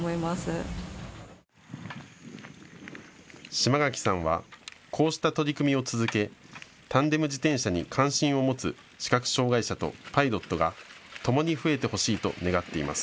嶋垣さんは、こうした取り組みを続け、タンデム自転車に関心を持つ視覚障害者とパイロットがともに増えてほしいと願っています。